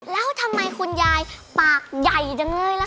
แล้วทำไมคุณยายปากใหญ่จังเลยล่ะ